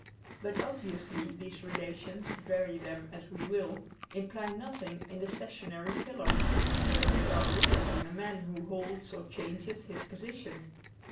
But obviously these relations, vary them as we will, imply nothing in the stationary pillar, though they are real in the man who holds or changes his position.